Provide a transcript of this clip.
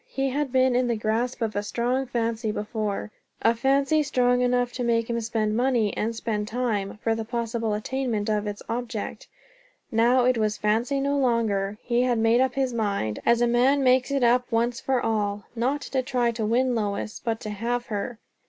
He had been in the grasp of a strong fancy before; a fancy strong enough to make him spend money, and spend time, for the possible attainment of its object; now it was fancy no longer. He had made up his mind, as a man makes it up once for all; not to try to win Lois, but to have her.